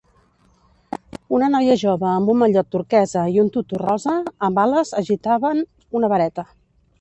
Una noia jove amb un mallot turquesa i un tutú rosa amb ales agitaven una vareta.